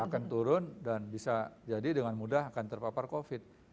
akan turun dan bisa jadi dengan mudah akan terpapar covid